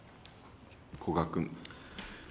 古賀君。